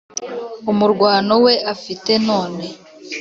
Umurwano we afite none,